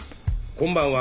こんばんは。